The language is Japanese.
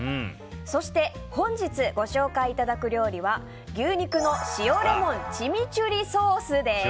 そして本日ご紹介いただく料理は牛肉の塩レモンチミチュリソースです。